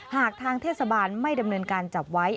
หากทางเทศบาลไม่ดำเนินการจับไว้